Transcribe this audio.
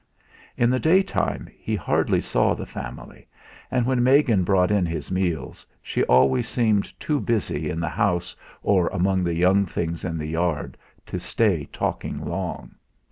In the daytime he hardly saw the family; and when Megan brought in his meals she always seemed too busy in the house or among the young things in the yard to stay talking long.